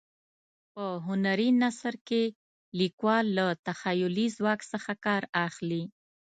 په هنري نثر کې لیکوال له تخیلي ځواک څخه کار اخلي.